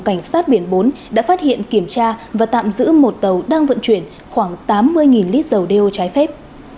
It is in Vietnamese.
cảnh sát biển bốn đã phát hiện kiểm tra và tạm giữ một tàu đang vận chuyển khoảng tám mươi lít dầu đeo trái phép